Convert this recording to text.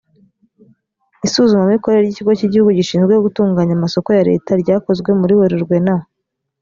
isuzumamikorere ry ikigo cy igihugu gishinzwe gutunganya amasoko ya leta ryakozwe muri werurwe na